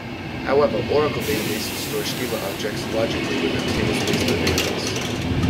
However, Oracle databases store schema objects logically within a tablespace of the database.